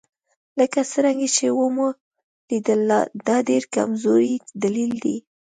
لکه څرنګه چې ومو لیدل دا ډېر کمزوری دلیل دی.